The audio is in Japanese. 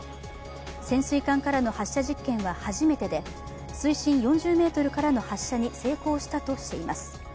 潜水艦からの発射実験は初めてで水深４０ｍからの発射に成功したとしています。